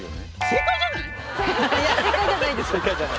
正解じゃないです。